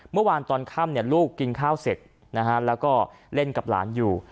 เมื่อวานตอนค่ำลูกกินข้าวเสร็จแล้วก็เล่นกับหลานอยู่